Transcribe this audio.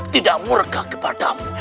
tidak murga kepadamu